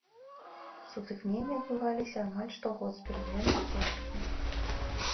Сутыкненні адбываліся амаль штогод з пераменным поспехам.